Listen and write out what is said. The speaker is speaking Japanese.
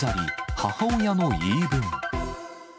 母親の言い分。